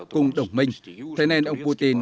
cùng đồng minh thế nên ông putin